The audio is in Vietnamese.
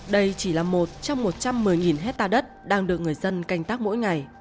đây chỉ là một trong một trăm mười nghìn hecta đất đang được người dân canh tác mỗi ngày